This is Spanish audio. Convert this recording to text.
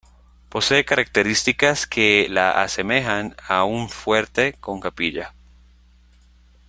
Posee características que la asemejan a un fuerte con capilla.